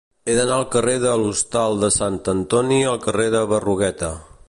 He d'anar del carrer de l'Hostal de Sant Antoni al carrer de Berruguete.